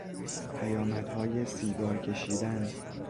پیامدهای سیگار کشیدن